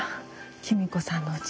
キミ子さんのうち。